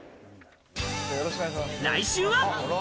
来週は。